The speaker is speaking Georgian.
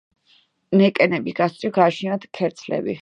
ნეკნების გასწვრივ გააჩნიათ ქერცლები.